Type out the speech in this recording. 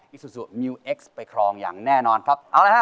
อิซูซูมิวเอ็กซ์ไปครองอย่างแน่นอนครับเอาละฮะ